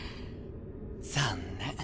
残念。